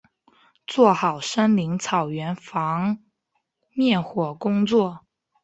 做好森林草原防灭火工作